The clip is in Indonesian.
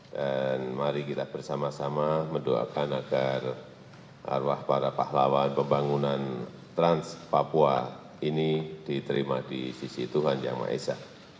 dan mari kita bersama sama mendoakan agar arwah para pahlawan pembangunan trans papua ini diterima di sisi tuhan yang maha esa